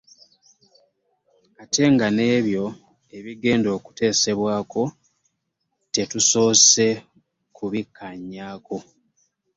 Ate nga n'ebyo ebigenda okuteesebwako tetusoose kubikkaanyako